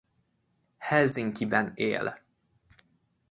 Helsinkiben él.